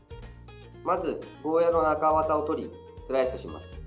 まず、ゴーヤーの中わたをとりスライスします。